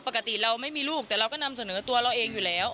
ปกติเราไม่มีลูกแต่เราก็นำเสนอตัวเราเองอยู่แล้ว